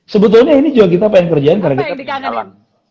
sebetulnya ini juga kita pengen kerjain karena kita di kantor